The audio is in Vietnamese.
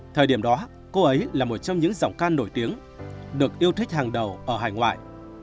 thời điểm đó cô ấy là một trong những giọng ca nổi tiếng được yêu thích hàng đầu ở hải ngoại